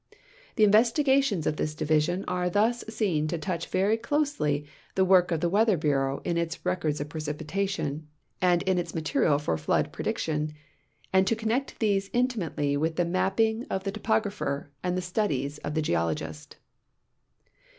The inve.digations of this division are thus seen to touch very closely the Avork of the Weather Bureau in its records of precipitation and in its material for flood prediction, HYDROGRAPHY IN THE UNITED STATES 149 and to connect these intimately with the mapping of the topog rapher and the studies of the geologist.